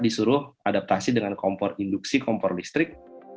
disuruh adaptasi dengan kompor induksi kompor listrik